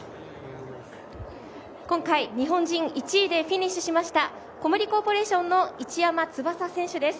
今回、日本人１位でフィニッシュしました小森コーポレーションの市山翼選手です。